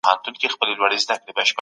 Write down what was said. استاد سرا هنګ له هندي موسیقۍ څه زده کړل؟